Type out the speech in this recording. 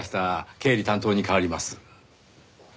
経理担当に代わります。